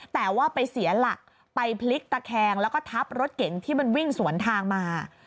แต่ว่าไปเสียหลักไปพลิกตะแคงแล้วก็ทับรถเก๋งที่มันวิ่งสวนทางมา